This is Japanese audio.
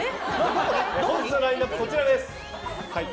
本日のラインアップはこちらです。